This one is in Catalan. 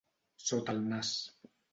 Sota el nas.